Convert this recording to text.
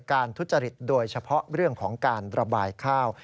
ทุจริตโดยเฉพาะเรื่องของการระบายข้าว